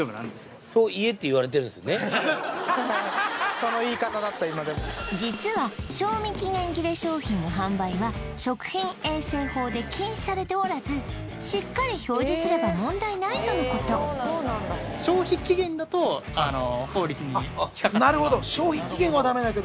その言い方だった今でも実は賞味期限切れ商品の販売は食品衛生法で禁止されておらずしっかり表示すれば問題ないとのことなるほどそうですね